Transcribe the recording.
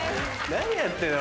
何やってんの？